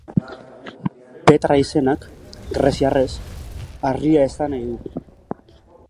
Petra izenak, grezieraz, harria esan nahi du.